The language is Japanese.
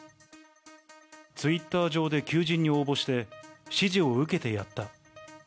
ツイッター上で求人に応募して、指示を受けてやった。